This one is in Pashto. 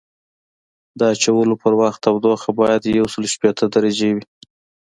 د اچولو په وخت تودوخه باید یوسل شپیته درجې وي